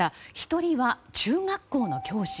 １人は中学校の教師